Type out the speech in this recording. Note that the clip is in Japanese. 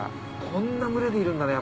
こんな群れでいるんだね